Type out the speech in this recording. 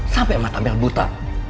sampai matamu buta